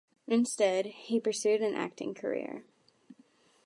Instead, he pursued an acting career.